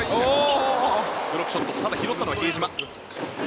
ブロックショットただ、拾ったのは比江島。